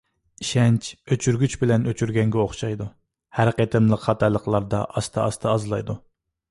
ئىشەنچ ئۆچۈرگۈچ بىلەن ئۆچۈرگەنگە ئوخشايدۇ، ھەر قېتىملىق خاتالىقلاردا ئاستا-ئاستا ئازلايدۇ.